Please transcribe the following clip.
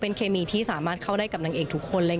เคมีที่สามารถเข้าได้กับนางเอกทุกคนเลย